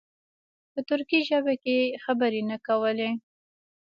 په ترکي ژبه یې خبرې نه کولې.